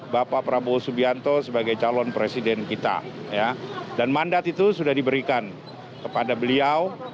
bapak prabowo subianto sebagai calon presiden kita dan mandat itu sudah diberikan kepada beliau